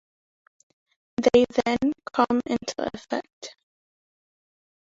They then come into effect.